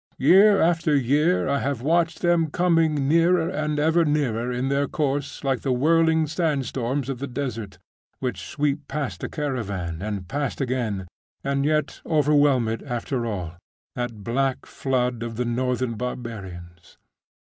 Year after year I have watched them coming nearer and ever nearer in their course like the whirling sand storms of the desert, which sweep past the caravan, and past again, and yet overwhelm it after all that black flood of the northern barbarians.